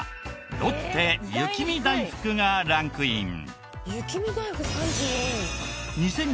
ロッテ雪見だいふくがランクイン。